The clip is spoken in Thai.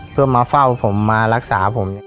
เพื่อมาเฝ้าผมมารักษาผม